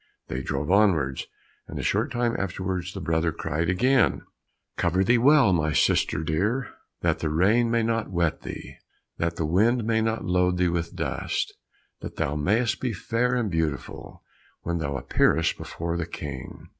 They drove onwards, and a short time afterwards, the brother again cried, "Cover thee well, my sister dear, That the rain may not wet thee, That the wind may not load thee with dust, That thou may'st be fair and beautiful When thou appearest before the King."